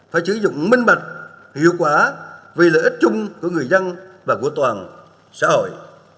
phải sử dụng minh bạch hiệu quả vì lợi ích chung của người dân và của toàn xã hội